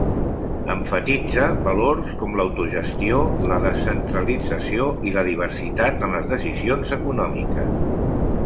Emfatitza valors com l'autogestió, la descentralització i la diversitat en les decisions econòmiques.